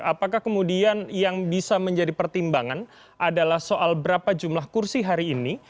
apakah kemudian yang bisa menjadi pertimbangan adalah soal berapa jumlah kursi hari ini